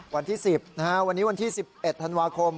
วันที่๑๐นะฮะวันนี้วันที่๑๑ธันวาคม